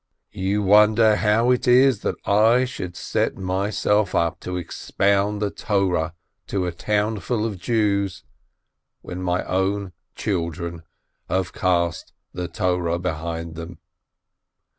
You wonder how it is that I should set myself up to expound the Torah to a townful of Jews, when my own children have cast the Torah behind them.